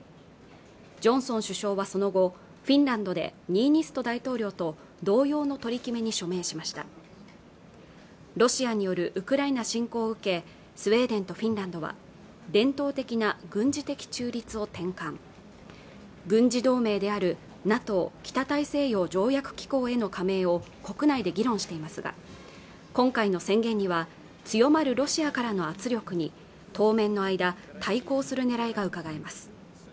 ジョンソン首相はその後フィンランドでニーニスト大統領と同様の取り決めに署名しましたロシアによるウクライナ侵攻を受けスウェーデンとフィンランドは伝統的な軍事的中立を転換軍事同盟であるＮＡＴＯ＝北大西洋条約機構への加盟を国内で議論していますが今回の宣言には強まるロシアからの圧力に当面の間対抗するねらいがうかがえます